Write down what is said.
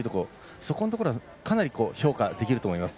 そこのところはかなり評価できると思います。